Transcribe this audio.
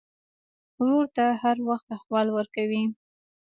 ورور ته هر وخت احوال ورکوې.